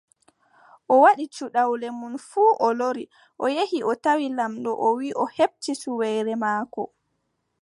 O waɗi cuɗawle mum fuu o lori, o yehi, o tawi laamɗo o wiʼi o heɓti suweere maako.